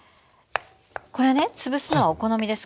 これね潰すのはお好みです。